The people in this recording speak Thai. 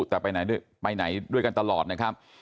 แต่ไปไหนด้วยกันตลอดนะครับ